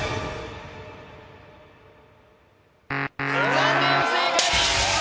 残念不正解！